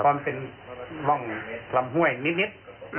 ความเป็นร่องลำห้วยนิด